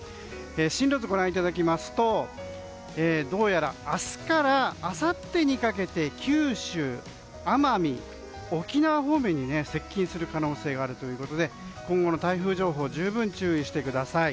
進路図ご覧いただきますとどうやら明日からあさってにかけて九州、奄美、沖縄方面に接近する可能性があるということで今後の台風情報十分注意してください。